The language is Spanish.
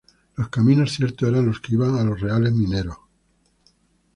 Los caminos ciertos eran los que iban a los reales mineros.